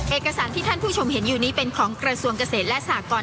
เอกสารที่ท่านผู้ชมเห็นอยู่นี้เป็นของกระทรวงเกษตรและสากร